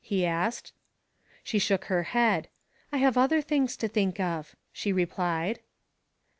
he asked. She shook her head. "I have other things to think of," she replied.